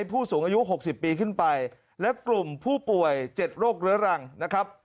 ผู้สูงอายุ๖๐ปีขึ้นไปและกลุ่มผู้ป่วย๗โรคเรื้อรังนะครับ